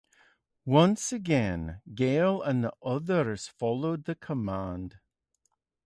Once again, Gale and the others followed the command.